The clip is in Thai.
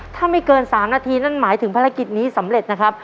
ถ้าไม่เกิน๓นาทีนั่นหมายถึงภารกิจนี้สำเร็จนะครับ